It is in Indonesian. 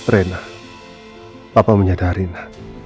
reyna papa menyadari nak